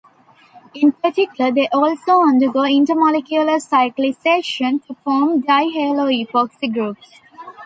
In particular they also undergo intramolecular cyclisation to form dihaloepoxy groups.